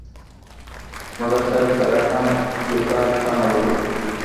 مړه ته د رحم ګذار تمه لرو